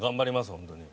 本当に。